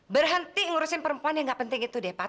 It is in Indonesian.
berhenti ngurusin perempuan yang nggak penting itu pak